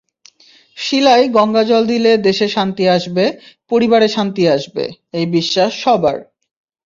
শিলায় গঙ্গাজল দিলে দেশে শান্তি আসবে, পরিবারে শান্তি আসবে—এই বিশ্বাস সবার।